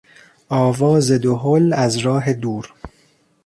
آواز دهل از راه دور